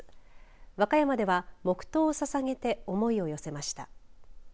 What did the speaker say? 和歌山では黙とうをささげて思いを寄せました。